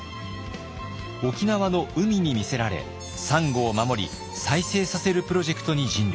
沖縄の海に魅せられサンゴを守り再生させるプロジェクトに尽力。